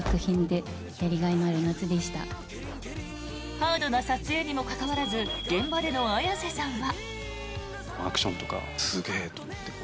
ハードな撮影にもかかわらず現場での綾瀬さんは。